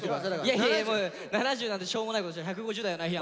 いやいやもう７０なんてしょうもないことしない１５０だよな檜山。